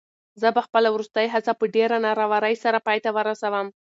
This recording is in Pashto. زه به خپله وروستۍ هڅه په ډېرې نره ورۍ سره پای ته ورسوم.